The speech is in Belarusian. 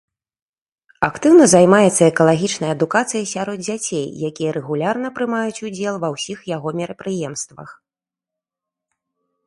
Актыўна займаецца экалагічнай адукацыяй сярод дзяцей, якія рэгулярна прымаюць удзел ва ўсіх яго мерапрыемствах.